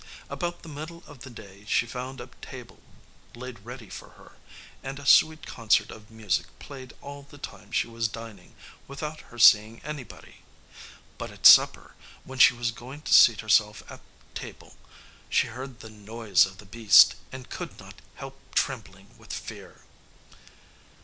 About the middle of the day she found a table laid ready for her, and a sweet concert of music played all the time she was dining, without her seeing anybody. But at supper, when she was going to seat herself at table, she heard the noise of the beast, and could not help trembling with fear.